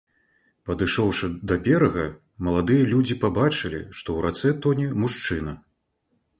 Падышоўшы да берага, маладыя людзі пабачылі, што ў рацэ тоне мужчына.